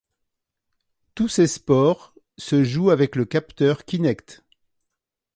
Tous ces sports se jouent avec le capteur Kinect.